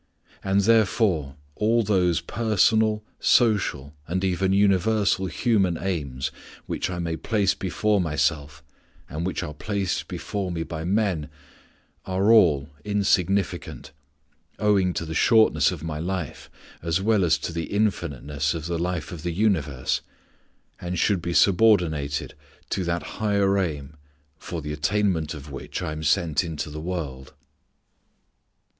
And, therefore, all those personal, social, and even universal human aims which I may place before myself and which are placed before me by men are all insignificant, owing to the shortness of my life as well as to the infiniteness of the life of the universe, and should be subordinated to that higher aim for the attainment of which I am sent into the world.